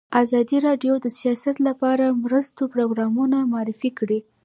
ازادي راډیو د سیاست لپاره د مرستو پروګرامونه معرفي کړي.